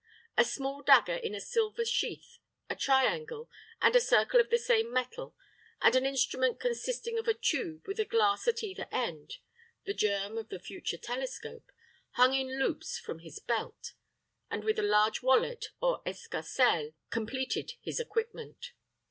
A small dagger in a silver sheath, a triangle, and a circle of the same metal, and an instrument consisting of a tube with a glass at either end the germ of the future telescope hung in loops from his belt, and with a large wallet, or escarcelle, completed his equipment.